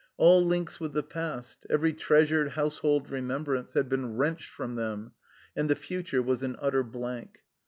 All links with the past, every treasured household remembrance, had been wrenched from them, and the future was an utter blank.